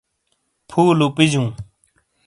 پُھو لُوپِجُوں۔